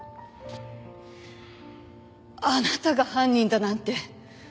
あなたが犯人だなんて。